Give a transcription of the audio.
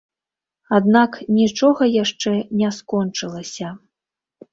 Аднак нічога яшчэ не скончылася.